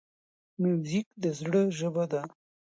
موزیک د زړه ژبه ده.